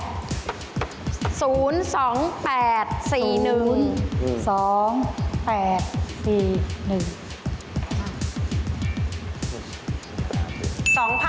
ไหนป่ะ